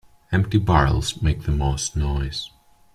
Empty barrels make the most noise.